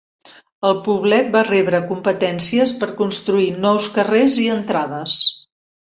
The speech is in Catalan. El poblet va rebre competències per construir nous carrers i entrades.